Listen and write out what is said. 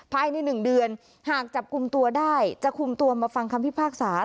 ภายใน๑เดือนหากจับกลุ่มตัวได้จะคุมตัวมาฟังคำพิพากษา